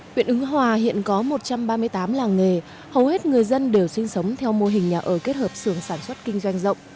huyện ứng hòa hiện có một trăm ba mươi tám làng nghề hầu hết người dân đều sinh sống theo mô hình nhà ở kết hợp sường sản xuất kinh doanh rộng